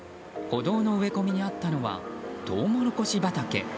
歩道の植え込みにあったのはトウモロコシ畑。